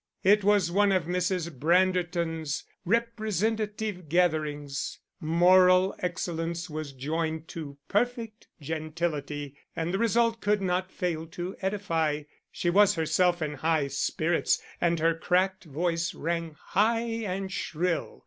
It was one of Mrs. Branderton's representative gatherings; moral excellence was joined to perfect gentility and the result could not fail to edify. She was herself in high spirits and her cracked voice rang high and shrill.